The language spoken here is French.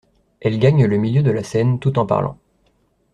Elle gagne le milieu de la scène tout en parlant.